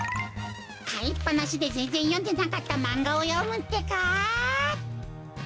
かいっぱなしでぜんぜんよんでなかったマンガをよむってか。